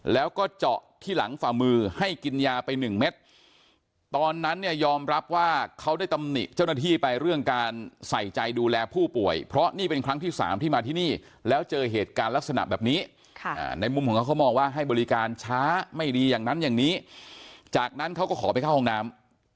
แล้วก็เจาะที่หลังฝ่ามือให้กินยาไปหนึ่งเม็ดตอนนั้นเนี่ยยอมรับว่าเขาได้ตำหนิเจ้าหน้าที่ไปเรื่องการใส่ใจดูแลผู้ป่วยเพราะนี่เป็นครั้งที่สามที่มาที่นี่แล้วเจอเหตุการณ์ลักษณะแบบนี้ในมุมของเขาเขามองว่าให้บริการช้าไม่ดีอย่างนั้นอย่างนี้จากนั้นเขาก็ขอไปเข้าห้องน้ำ